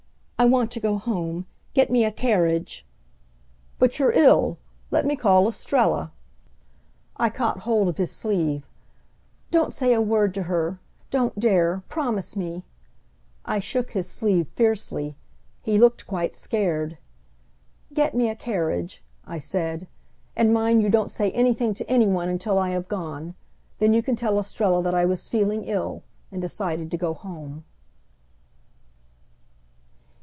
"I want to go home. Get me a carriage!" "But you're ill! Let me call Estrella." I caught hold of his sleeve. "Don't say a word to her! Don't dare, promise me!" I shook his sleeve fiercely. He looked quite scared. "Get me a carriage," I said, "and mind you don't say anything to any one until I have gone. Then you can tell Estrella that I was feeling ill and decided to go home."